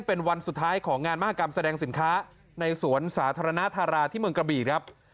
เป็นวันสุดท้ายของงานมหากรรมแสดงสินค้าในสวนสาธารณธาราที่เมืองกระบีครับ